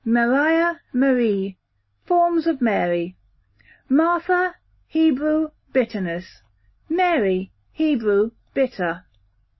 Maria / Marie, forms of Mary, q.v. Martha, Hebrew, bitterness. Mary, Hebrew, bitter.